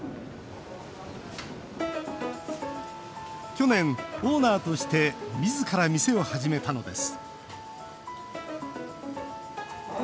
去年、オーナーとしてみずから店を始めたのです